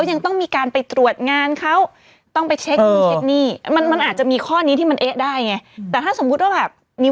แล้วถ้าแบบเอออย่างเงี้ยมันอาจจะต้องรู้สึกแล้วว่าพ่อแม่คือยังไง